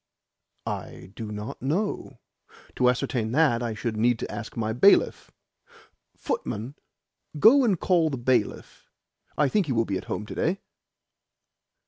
"I do not know. To ascertain that I should need to ask my bailiff. Footman, go and call the bailiff. I think he will be at home to day."